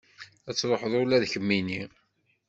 Ad truḥeḍ ula d kemmini.